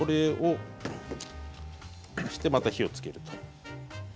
そして、また火をつける。